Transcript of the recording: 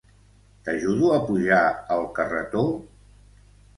T'ajudo a pujar el carretó?